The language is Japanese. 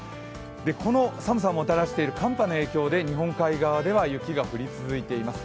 この寒さをもたらしている寒波の影響で日本海側で雪が降り続いています。